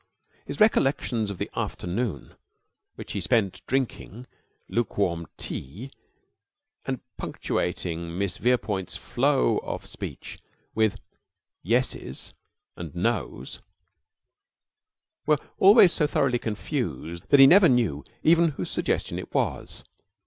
His recollections of the afternoon which he spent drinking lukewarm tea and punctuating Miss Verepoint's flow of speech with "yes's" and "no's" were always so thoroughly confused that he never knew even whose suggestion it was.